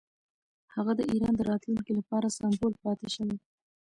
هغه د ایران د راتلونکي لپاره سمبول پاتې شوی.